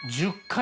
１０回？